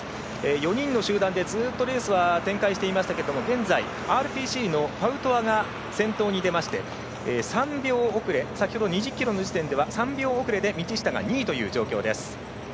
４人の集団でずっとレース展開していますがＲＰＣのパウトワが先頭に出まして先ほど２０ｋｍの時点では３０秒遅れで道下が２位という状況です。